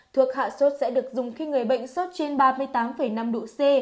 thuộc hạ sốt sẽ được dùng khi người bệnh sốt trên ba mươi tám năm độ c